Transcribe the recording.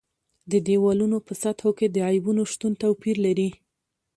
د دېوالونو په سطحو کې د عیبونو شتون توپیر لري.